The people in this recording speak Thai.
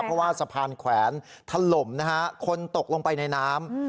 เพราะว่าสะพานแขวนถล่มนะฮะคนตกลงไปในน้ำ